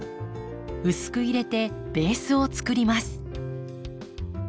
薄く入れてベースをつくります。